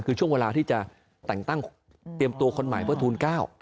แต่งตั้งเตรียมตัวคนใหม่เพื่อทูล๙